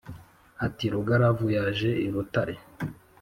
Ati : Rugaravu yaje i Rutare